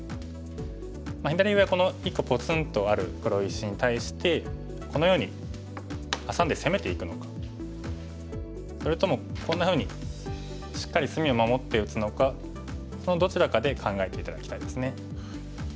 この１個ぽつんとある黒石に対してこのようにハサんで攻めていくのかそれともこんなふうにしっかり隅を守って打つのかそのどちらかで考えて頂きたいですね。